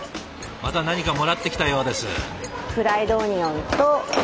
また何かもらってきたようです。